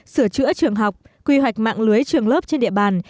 sửa chữa trường học quy hoạch mạng lưới trường lớp trên địa bàn